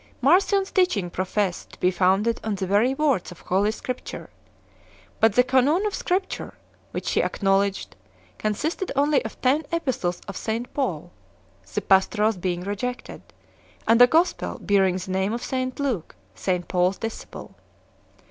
Marcion s teaching professed to be founded on the very i words of Holy Scripture ; but the J2ajQn__oJL Scripture j_ which he acknowledged consisted only of ten epistles of St Paul the Pastorals being rejected and a gospel bearing the name of St Luke, St Paul s disciple.